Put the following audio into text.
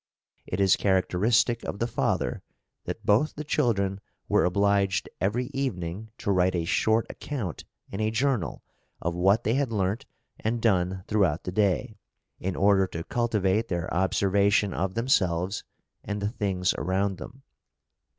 It is characteristic of the father that both the children were obliged every evening to write a short account {EARLY MANHOOD.} (332) in a journal of what they had learnt and done throughout the day, in order to cultivate their observation of themselves and the things around them.